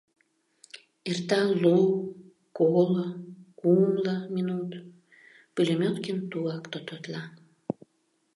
Эрта лу... коло... кумло минут — Пулеметкин тугак тототла.